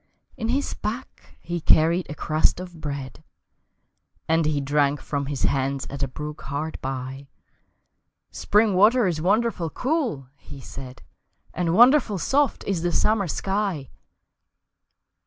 In his pack he carried a crust of bread, And he drank from his hands at a brook hard by; "Spring water is wonderful cool," he said, "And wonderful soft is the summer sky!"